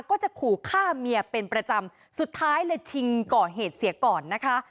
ก็จะขู่ฆ่าเมียเป็นประจำสุดท้ายเลยชิงก่อเหตุเสียก่อนนะคะ